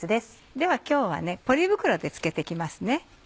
では今日はポリ袋でつけて行きます。